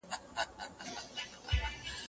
په سهارني تګ کې سستي نه لیدل کېږي.